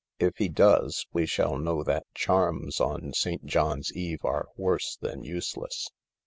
If he does, we shall know that charms on St. John's Eve are worse than useless.